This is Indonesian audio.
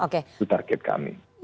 itu target kami